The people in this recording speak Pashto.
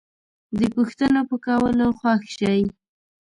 د پوښتنو په کولو خوښ شئ